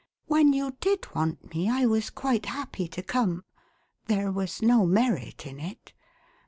When you did want me, I was quite happy to come ; then was no merit in it.